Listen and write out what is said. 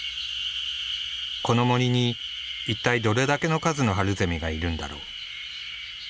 この森に一体どれだけの数のハルゼミがいるんだろう。